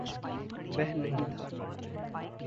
वह नहीं था।